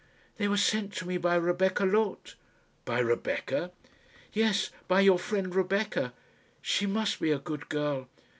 "They were sent to me by Rebecca Loth." "By Rebecca!" "Yes; by your friend Rebecca. She must be a good girl."